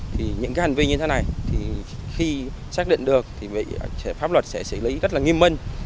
thì những cái hành vi như thế này thì khi xác định được thì pháp luật sẽ xử lý rất là nghiêm minh